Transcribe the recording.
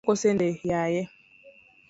Aluoko sande yaye.